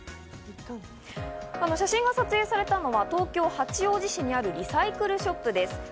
写真が撮影されたのは東京・八王子市にあるリサイクルショップです。